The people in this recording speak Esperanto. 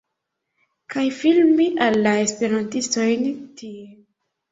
kaj filmi al la esperantistojn tie